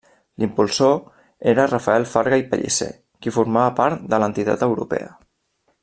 L'impulsor era Rafael Farga i Pellicer, qui formava part de l'entitat europea.